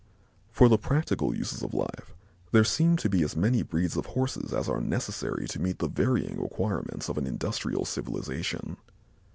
For the practical uses of life there seem to be as many breeds of Horses as are necessary to meet the varying requirements of an industrial civilization.